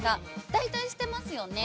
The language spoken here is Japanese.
大体捨てますよね。